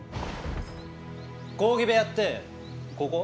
講義部屋ってここ？